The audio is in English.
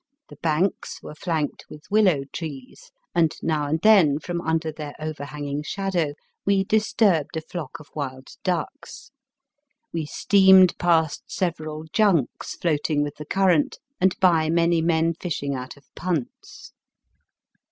The banks were flanked with willow trees, and now and then, from under their overhanging shadow, we dis turbed a flock of wild ducks. We steamed past several junks floating with the current, and by many men fishing out of punts. Digitized by VjOOQIC 280 BAST BY WEST.